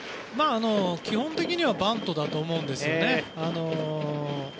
基本的にはバントだと思うんですね。